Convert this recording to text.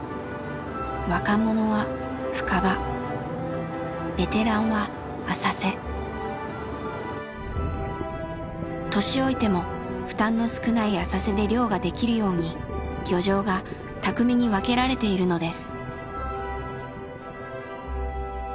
若者は深場年老いても負担の少ない浅瀬で漁ができるように漁場がたくみに分けられているのです。